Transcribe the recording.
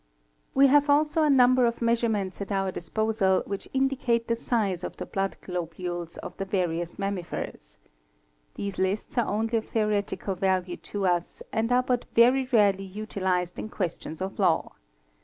We have also a number of measurements at our disposal which indicate the size of the blood globules of the various mammifers. 'These lists are only of theoretical value to us and are but very rarely utilised in questions of law.